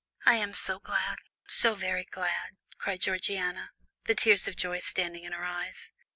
"I am so glad, so very glad," cried Georgiana, the tears of joy standing in her eyes.